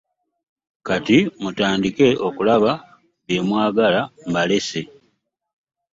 Kati mutandike okulaba bye mwagala mbalese.